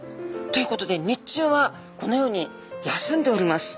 ということで日中はこのように休んでおります。